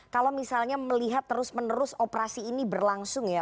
kalau misalnya melihat terus menerus operasi ini berlangsung ya